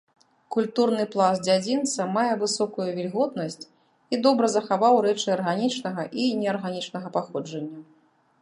Культурны пласт дзядзінца мае высокую вільготнасць і добра захаваў рэчы арганічнага і неарганічнага паходжання.